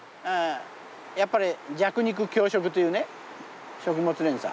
やっぱり弱肉強食というね食物連鎖。